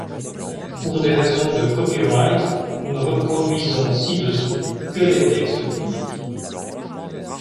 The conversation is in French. Pour des raisons de copyright, nous ne reproduisons ci-dessous, que les textes publics.